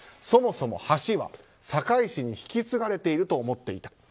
そもそも橋は堺市に引き継がれていると思っていた。